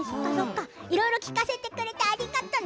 いろいろ聞かせてくれてありがとうね。